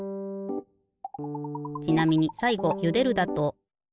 ちなみにさいごゆでるだと。